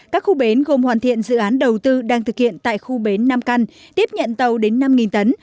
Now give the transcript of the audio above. các khu bến gồm hoàn thiện dự án đầu tư đang thực hiện tại khu bến nam căn tiếp nhận tàu đến năm tấn